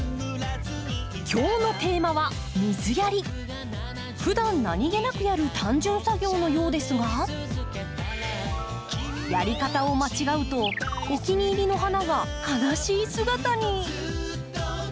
今日のテーマはふだん何気なくやる単純作業のようですがやり方を間違うとお気に入りの花が悲しい姿に。